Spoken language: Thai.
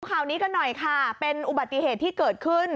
ข่าวนี้กันหน่อยค่ะเป็นอุบัติเหตุที่เกิดขึ้น